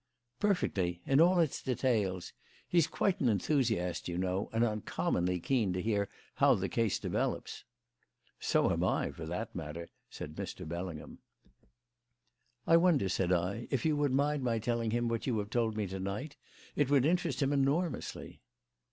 "Perfectly, in all its details. He is quite an enthusiast, you know, and uncommonly keen to hear how the case develops." "So am I, for that matter," said Mr. Bellingham. "I wonder," said I, "if you would mind my telling him what you have told me to night. It would interest him enormously."